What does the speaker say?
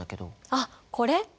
あっこれ？